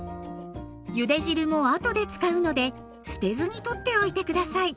ゆで汁も後で使うので捨てずにとっておいて下さい。